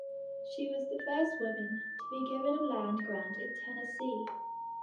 She was the first woman to be given a land grant in Tennessee.